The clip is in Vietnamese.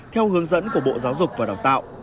theo hướng dẫn của bộ giáo dục và đào tạo